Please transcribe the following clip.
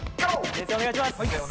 先生お願いします。